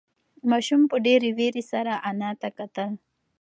ماشوم په ډېرې وېرې سره انا ته کتل.